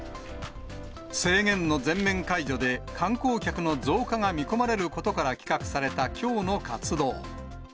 制限の全面解除で、観光客の増加が見込まれることから企画されたきょうの活動。